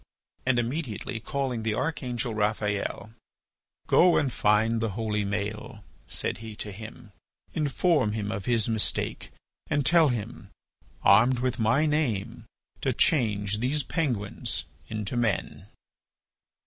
And immediately calling the archangel Raphael: "Go and find the holy Maël," said he to him; "inform him of his mistake and tell him, armed with my Name, to change these penguins into men."